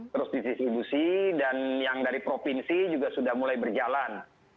terus didistribusi dan yang dari provinsi juga sudah mulai berjalan